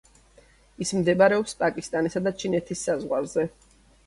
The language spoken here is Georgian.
ის მდებარეობს პაკისტანისა და ჩინეთის საზღვარზე.